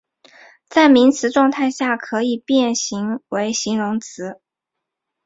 在名词状态下可以变形为形容词。